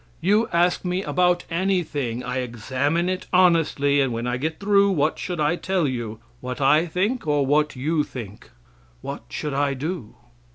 You ask me about any thing; I examine it honestly, and when I get through, what should I tell you what I think or what you think? What should I do?